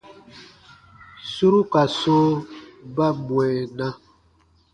Suru ka sɔ̃ɔ ba mwɛɛna.